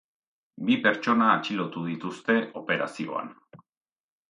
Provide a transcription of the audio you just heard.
Bi pertsona atxilotu dituzte operazioan.